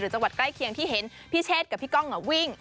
จังหวัดใกล้เคียงที่เห็นพี่เชษกับพี่ก้องวิ่ง